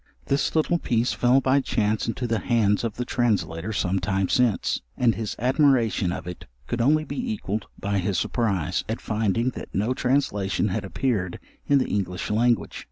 This little piece fell by chance into the hands of the translator some time since, and his admiration of it could only be equalled by his surprize, at finding that no translation had appeared in the English language.